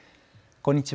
こんにちは。